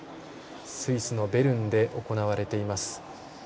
スイス・ベルンで行われています。